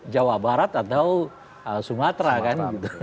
jawa barat atau sumatera kan